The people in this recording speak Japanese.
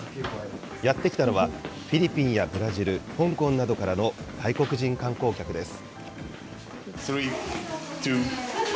やって来たのは、フィリピンやブラジル、香港などからの外国人観光客です。